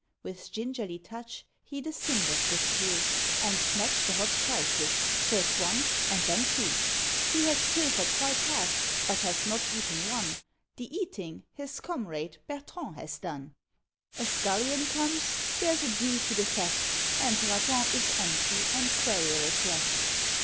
With gingerly touch he the cinders withdrew, And snatched the hot prizes, first one, and then two. He has pilfered quite half, but has not eaten one; The eating his comrade, Bertrand, has done. A scullion comes there's adieu to the theft And Raton is empty and querulous left.